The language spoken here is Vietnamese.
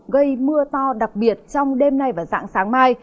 gây mưa to đặc biệt trong đêm nay và dạng sáng mai